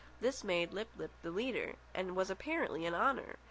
This made Lip lip the leader, and was apparently an honour!